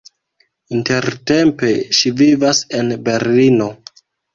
Intertempe ŝi vivas en Berlino.